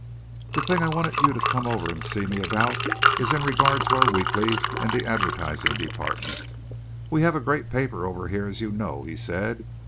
"The thing that I wanted you to come over and see me about is in regard to our weekly and the advertising department. We have a great paper over here, as you know," he said.